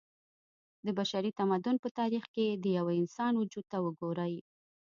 د بشري تمدن په تاريخ کې د يوه انسان وجود ته وګورئ